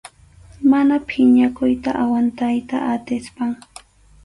Mana phiñakuyta aguantayta atispam.